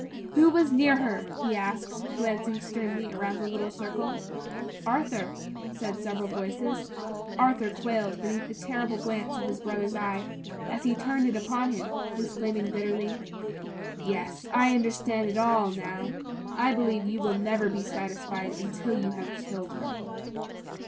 "Who was near her?" he asked, glancing sternly around the little circle. "Arthur," said several voices. Arthur quailed beneath the terrible glance of his brother's eye, as he turned it upon him, exclaiming bitterly: "Yes, I understand it all, now! I believe you will never be satisfied until you have killed her."